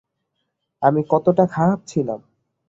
আমি কতটা খারাপ ছিলাম!